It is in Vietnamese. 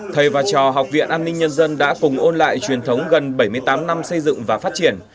thầy và trò học viện an ninh nhân dân đã cùng ôn lại truyền thống gần bảy mươi tám năm xây dựng và phát triển